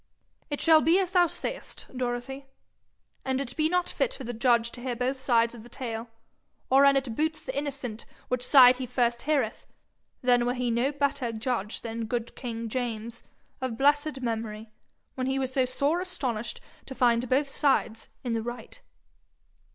'It shall be as thou sayest, Dorothy. An' it be not fit for the judge to hear both sides of the tale, or an' it boots the innocent which side he first heareth, then were he no better judge than good king James, of blessed memory, when he was so sore astonished to find both sides in the right.'